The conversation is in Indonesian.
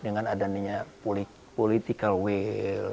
dengan adanya political will